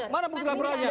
mana bukti laporannya